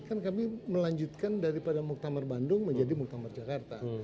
kan kami melanjutkan daripada muktamar bandung menjadi muktamar jakarta